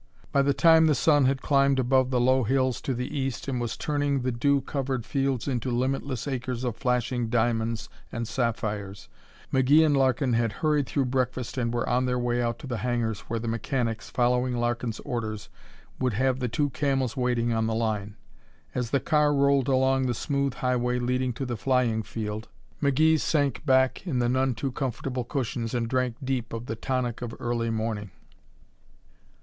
By the time the sun had climbed above the low hills to the east and was turning the dew covered fields into limitless acres of flashing diamonds and sapphires, McGee and Larkin had hurried through breakfast and were on their way out to the hangars where the mechanics, following Larkin's orders, would have the two Camels waiting on the line. As the car rolled along the smooth highway leading to the flying field, McGee sank back in the none too comfortable cushions and drank deep of the tonic of early morning.